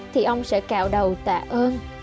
thì ông sẽ cạo đầu tạ ơn